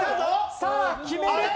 さあ決めるか？